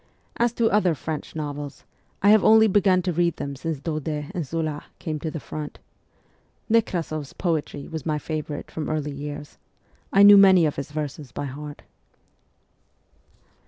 As to other French novels, I have only begun to read them since Daudet and Zola came to the front. Nekrasoff's poetry was my favourite from early years : I knew many of his verses by heart.